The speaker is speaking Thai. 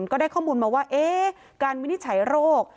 ก็ได้ข้อมูลมาว่าการวินิจฉัยโรค